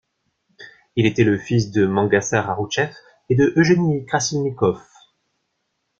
Il était le fils de Mangassar Aroutcheff et de Eugénie Krassilnikoff.